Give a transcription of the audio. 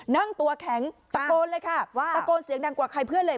นั่งตัวแข็งตะโกนเลยค่ะว่าตะโกนเสียงดังกว่าใครเพื่อนเลย